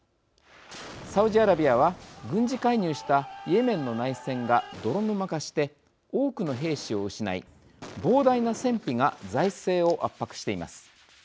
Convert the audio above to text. サウジアラビアは、軍事介入したイエメンの内戦が泥沼化して多くの兵士を失い膨大な戦費が財政を圧迫しています。